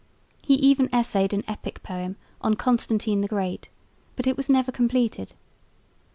He even essayed an epic poem on Constantine the Great, but it was never completed.